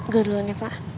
gue duluan ya pa